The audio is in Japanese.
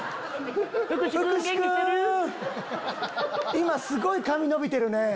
今すごい髪伸びてるね。